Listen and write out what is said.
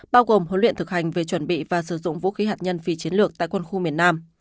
bao gồm huấn luyện thực hành về chuẩn bị và sử dụng vũ khí hạt nhân phi chiến lược tại quân khu miền nam